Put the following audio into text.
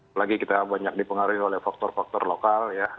apalagi kita banyak dipengaruhi oleh faktor faktor lokal ya